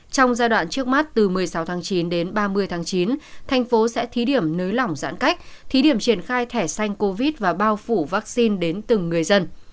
trong giai đoạn trước mắt từ một mươi sáu tháng chín đến ba mươi tháng chín thành phố sẽ thí điểm nới lỏng giãn cách thí điểm triển khai thẻ xanh covid và bao phủ vaccine đến từng người dân